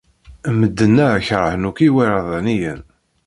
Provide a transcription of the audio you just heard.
Medden-a keṛhen akk iwerdaniyen.